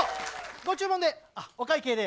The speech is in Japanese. ご注文で、お会計で。